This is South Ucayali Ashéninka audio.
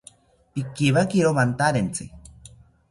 Pikiwakiro mantarentzi